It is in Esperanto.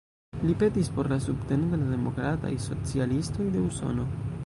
Li petis por la subteno de la Demokrataj Socialistoj de Usono.